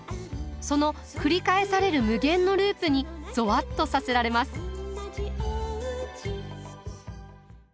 その繰り返される無限のループにゾワッとさせられます。